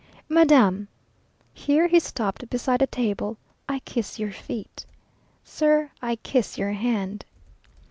"Madam!" (here he stopped beside a table) "I kiss your feet." "Sir, I kiss your hand."